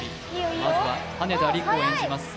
まずは羽田陸を演じます